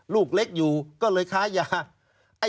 ลูกเล็กอยู่ก็เลยค้ายา